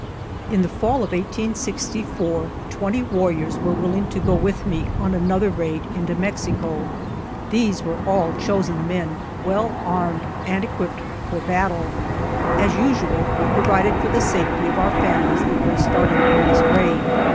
In the fall of 1864 twenty warriors were V willing to go with me on another raid into Mexico. These were all chosen men, well armed and equipped for battle. As usual we provided for the safety of our families before starting on this raid.